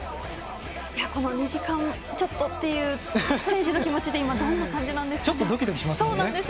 ２時間ちょっとっていう選手の気持ちってどんな感じなんですかね。